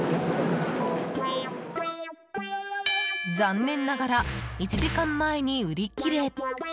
残念ながら１時間前に売り切れ。